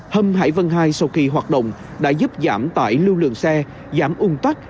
hầm hải vân hai sau khi hoạt động đã giúp giảm tải lưu lượng xe giảm ung tắc